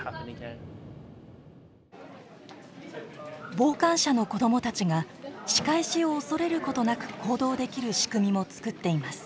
傍観者の子どもたちが仕返しを恐れることなく行動できる仕組みも作っています。